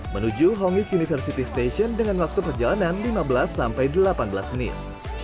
menuju hongic university station dengan waktu perjalanan lima belas sampai delapan belas menit